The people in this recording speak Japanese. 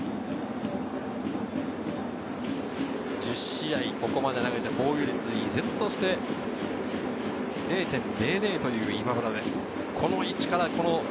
１０試合、ここまで投げて防御率は依然として０．００という今村です。